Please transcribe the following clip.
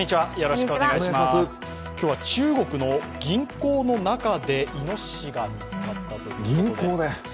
今日は中国の銀行の中でいのししが見つかったということで。